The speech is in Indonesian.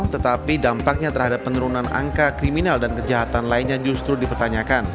tetapi dampaknya terhadap penurunan angka kriminal dan kejahatan lainnya justru dipertanyakan